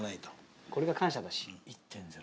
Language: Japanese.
これが感謝だし。